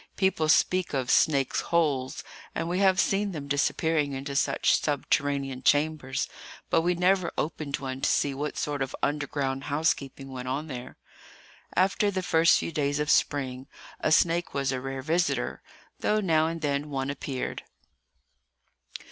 People speak of snakes' holes, and we have seen them disappearing into such subterranean chambers; but we never opened one to see what sort of underground housekeeping went on there. After the first few days of spring, a snake was a rare visitor, though now and then one appeared.